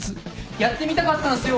やってみたかったんすよ